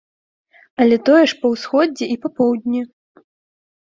Але тое ж па ўсходзе і па поўдні.